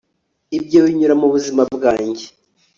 ibyo binyura mu buzima bwanjye